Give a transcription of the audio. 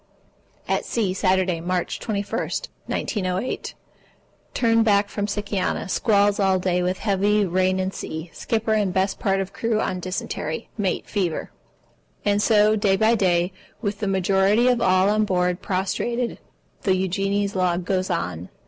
At sea, Saturday, March 21, 1908. Turned back from Sikiana. Squalls all day with heavy rain and sea. Skipper and best part of crew on dysentery. Mate fever. And so, day by day, with the majority of all on board prostrated, the Eugenie's log goes on.